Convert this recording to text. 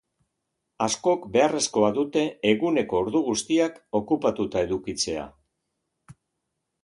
Askok, beharrezkoa dute eguneko ordu guztiak okupatuta edukitzea.